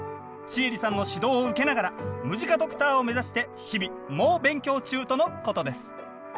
シエリさんの指導を受けながらムジカドクターを目指して日々猛勉強中とのことです。